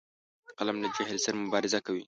قلم له جهل سره مبارزه کوي